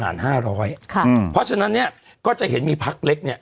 หาห้าร้อยค่ะเพราะฉะนั้นเนี้ยก็จะเห็นมีพักเล็กเนี้ย